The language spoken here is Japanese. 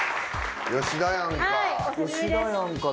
吉田やんか。